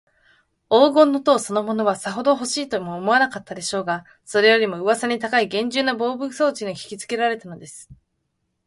黄金の塔そのものは、さほどほしいとも思わなかったでしょうが、それよりも、うわさに高いげんじゅうな防備装置にひきつけられたのです。